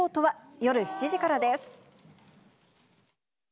夜７時からです。